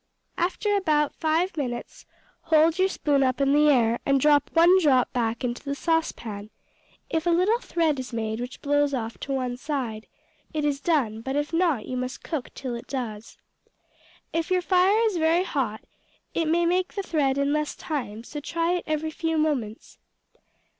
After about five minutes hold your spoon up in the air and drop one drop back into the saucepan; if a little thread is made which blows off to one side, it is done, but if not you must cook till it does. If your fire is very hot it may make the thread in less time, so try it every few moments.